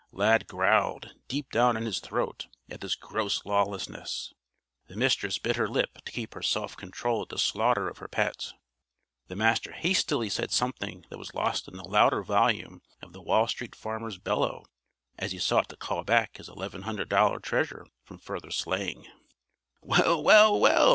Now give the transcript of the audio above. Lad growled, deep down in his throat, at this gross lawlessness. The Mistress bit her lip to keep her self control at the slaughter of her pet. The Master hastily said something that was lost in the louder volume of the Wall Street Farmer's bellow as he sought to call back his $1100 treasure from further slaying. "Well, well, well!"